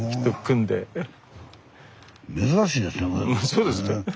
そうですね。